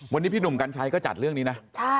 วันนี้พี่หนุ่มกัญชัยก็จัดเรื่องนี้นะ